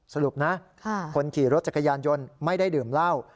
สรุปนะคนขี่รถจักรยานยนต์ไม่ได้ดื่มเหล้า